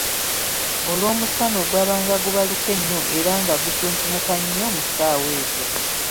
Olw’omusana ogw'abanga gubaaluuka ennyo era nga gutuntumuka nnyo mu ssaawa ezo.